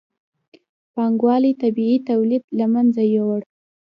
پانګوالۍ طبیعي تولید له منځه یووړ.